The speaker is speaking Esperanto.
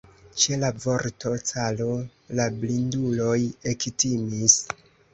Ĉe la vorto "caro" la blinduloj ektimis.